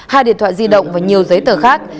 hai điện thoại di động và nhiều giấy tờ khác